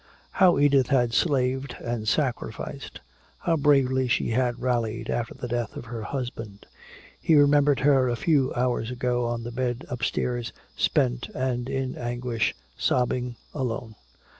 How Edith had slaved and sacrificed, how bravely she had rallied after the death of her husband. He remembered her a few hours ago on the bed upstairs, spent and in anguish, sobbing, alone.